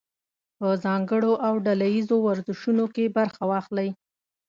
په ځانګړو او ډله ییزو ورزشونو کې برخه واخلئ.